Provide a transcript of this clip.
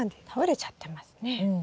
倒れちゃってますね。